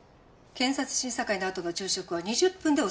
検察審査会のあとの昼食は２０分でお済ませください。